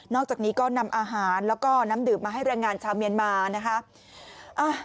อกจากนี้ก็นำอาหารแล้วก็น้ำดื่มมาให้แรงงานชาวเมียนมานะคะ